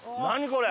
これ。